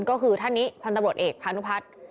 ก็คือท่านนี้พันธบรวจเอกพานุพัฒน์